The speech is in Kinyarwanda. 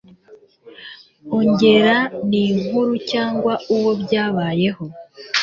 ongeraho n'inkuru cyangwa uwo byabayeho